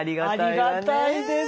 ありがたいです